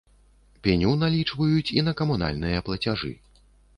Пеню налічваюць і на камунальныя плацяжы.